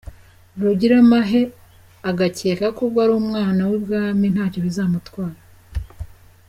Rugiramahe agakeka ko ubwo ari umwana w’i Bwami nta cyo bizamutwara.